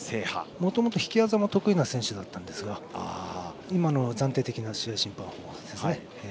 もともと引き技が得意な選手だったんですが今のは暫定的な試合審判方法で。